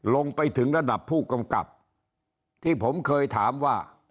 ลงไปถึงระดับผู้กำกับที่ผมเคยถามว่า